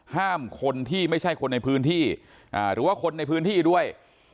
ห้ามคนที่ไม่ใช่คนในพื้นที่หรือว่าคนในพื้นที่ด้วย